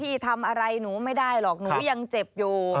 พี่ทำอะไรหนูไม่ได้หรอกหนูยังเจ็บอยู่